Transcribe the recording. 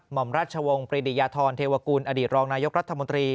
อมราชวงศ์ปริดิยธรเทวกุลอดีตรองนายกรัฐมนตรี